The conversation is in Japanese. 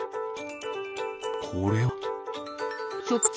これは？